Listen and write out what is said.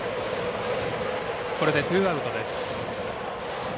これでツーアウトです。